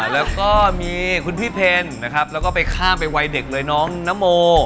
แล้วก็มีคุณพี่เพลนะครับแล้วก็ไปข้ามไปวัยเด็กเลยน้องนโม